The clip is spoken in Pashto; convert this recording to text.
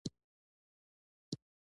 نه صنعت لري او نه پراخې زراعتي ځمکې.